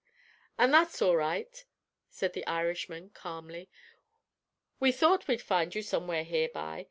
"An' that's all right," said the Irishman, calmly. "We thought we'd find you somewheres here by.